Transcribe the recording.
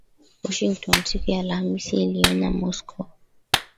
Washington siku ya Alhamis iliionya Moscow.